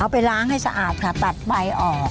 ไปล้างให้สะอาดค่ะตัดใบออก